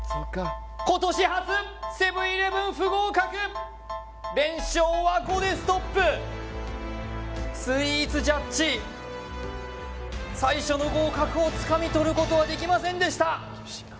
今年初セブン−イレブン不合格連勝は５でストップスイーツジャッジ最初の合格をつかみ取ることはできませんでした